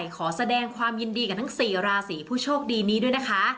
ขอแสดงความยินดีกับทั้ง๔ราศีผู้โชคดีนี้ด้วยนะคะ